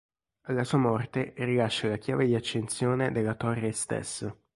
Alla sua morte rilascia la chiave di accensione della torre stessa.